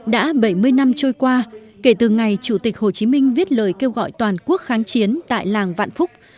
đã bảy mươi năm trôi qua kể từ ngày chủ tịch hồ chí minh viết lời kêu gọi toàn quốc kháng chiến tại làng vạn phúc